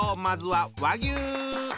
まずは和牛！